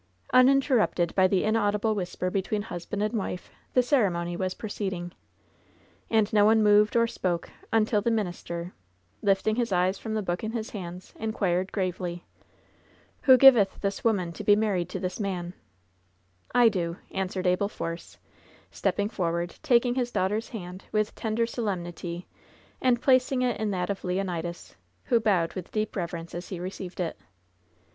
Uninterrupted by the inaudible whisper between hus band and wife, the ceremony was proceeding. And no one moved or spoke, until the minister, lifting his eyes from the book in his hands, inquired gravely: "'Who giveth this woman to be married to this man^" " 'I do,' " answered Abel Force, stepping forward, taking his daughter's hand with tender solemnity and placing it in that of Leonidas, who bowed with deep rev erence as he received it.